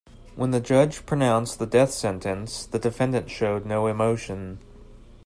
When the judge pronounced the death sentence, the defendant showed no emotion.